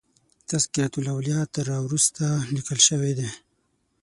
تذکرة الاولیاء تر را وروسته لیکل شوی دی.